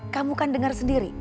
kamu kan dengar sendiri